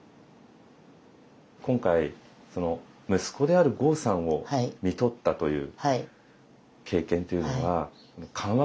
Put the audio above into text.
今回息子である剛さんをみとったという経験っていうのは緩和